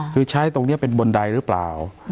คือใช้ตรงนี้เป็นบนใดหรือเปล่า